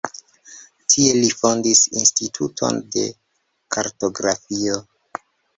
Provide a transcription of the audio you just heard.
Tie li fondis instituton de kartografio.